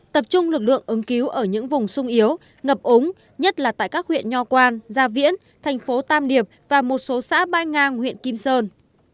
tập trung lực lượng ứng cứu ở những vùng sung yếu ngập úng nhất là tại các huyện nho quang gia viễn thành phố tam điệp và một số xã bay nga của huyện kim sơn